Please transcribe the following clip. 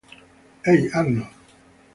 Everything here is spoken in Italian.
Hey, Arnold!